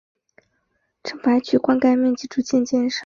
郑白渠灌溉面积逐渐减少。